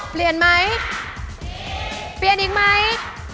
เปลี่ยนไหมเปลี่ยนอีกไหม